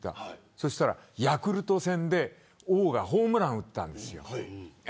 そうしたらヤクルト戦で王がホームラン打ったんです。